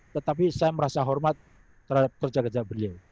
tetapi saya merasa hormat terhadap kerja kerja beliau